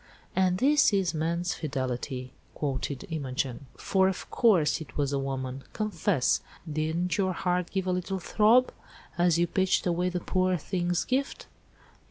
"And this is man's fidelity!" quoted Imogen. "For of course, it was a woman. Confess! Didn't your heart give a little throb, as you pitched away the poor thing's gift?"